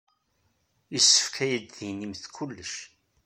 Yessefk ad iyi-d-tinimt kullec.